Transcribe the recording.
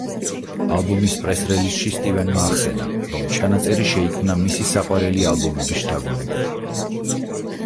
ალბომის პრეს-რელიზში სტივენმა ახსენა, რომ ჩანაწერი შეიქმნა მისი საყვარელი ალბომების შთაგონებით.